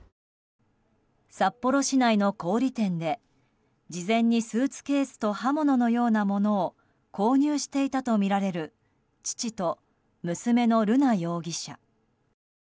札幌市内の小売店で事前にスーツケースと刃物のようなものを購入していたとみられる父と、娘の瑠奈容疑者。